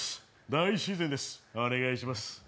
大自然です、お願いします。